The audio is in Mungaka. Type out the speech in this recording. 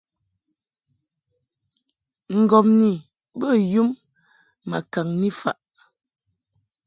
Ŋgɔmni bə yum ma kaŋni faʼ.